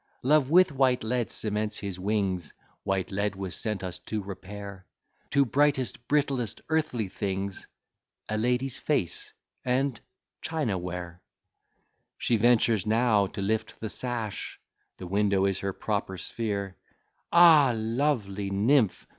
Love with white lead cements his wings; White lead was sent us to repair Two brightest, brittlest, earthly things, A lady's face, and China ware. She ventures now to lift the sash; The window is her proper sphere; Ah, lovely nymph!